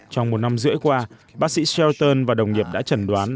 trong một năm rưỡi qua bác sĩ selton và đồng nghiệp đã chẩn đoán